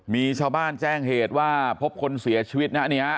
มีชาวบ้านแจ้งเหตุว่าพบคนเสียชีวิตนะเนี่ย